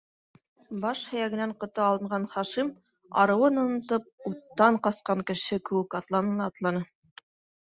Баш һөйәгенән ҡото алынған Хашим, арыуын онотоп, уттан ҡасҡан кеше кеүек атланы ла атланы.